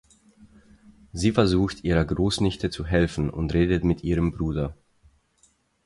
Sie versucht ihrer Großnichte zu helfen und redet mit ihrem Bruder.